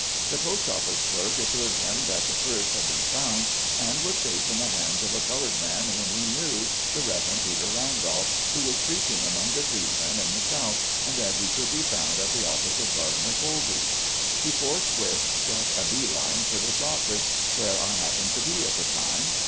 The Post Office clerk assured him that the purse had been found, and was safe in the hands of a col ored man whom he knew, the Rev. Peter Randolph, who was preaching among the freedmen in the South, and that he could be found at the office of Gardiner Colby. He forthwith struck a B line for this office, where I happened to be at the time.